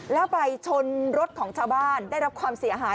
แล้วไปชนรถของชาวบ้านได้รับความเสียหาย